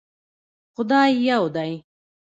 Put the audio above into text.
خدای يو دی